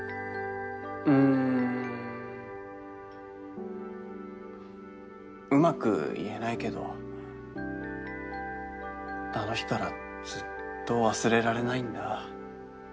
うんうまく言えないけどあの日からずっと忘れられないんだ